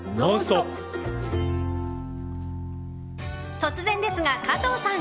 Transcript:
突然ですが、加藤さん。